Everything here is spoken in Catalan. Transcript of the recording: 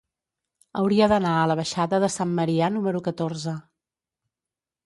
Hauria d'anar a la baixada de Sant Marià número catorze.